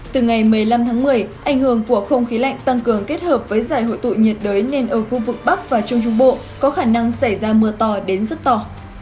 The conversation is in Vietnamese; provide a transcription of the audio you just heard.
từ ngày một mươi năm tháng một mươi ảnh hưởng của không khí lạnh tăng cường kết hợp với giải hội tụ nhiệt đới nên ở khu vực bắc và trung trung bộ có khả năng xảy ra mưa to đến rất to